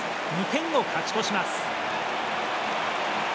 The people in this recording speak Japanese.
２点を勝ち越します。